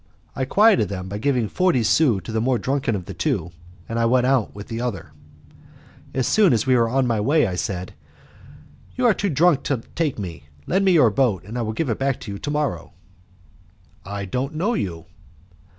I quieted them by giving forty sous to the more drunken of the two, and I went out with the other. As soon as we were on our way, I said, "You are too drunk to take me, lend me your boat, and I will give it you back to morrow." "I don't know you."